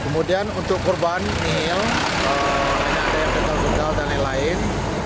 kemudian untuk korban mil banyak daya petang sekal dan lain lain